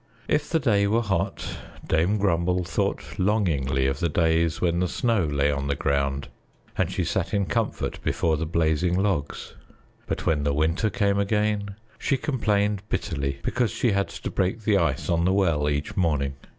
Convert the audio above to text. If the day were hot, Dame Grumble thought longingly of the days when the snow lay on the ground and she sat in comfort before the blazing logs. But when the winter came again, she complained bitterly because she had to break the ice on the well each morning.